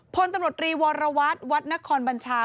พลตำรวจรีวรวัตรวัดนครบัญชา